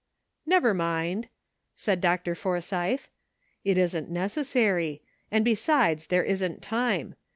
" Never mind," said Dr. Forsythe ; "it isn't necessary, and besides, there isn't time.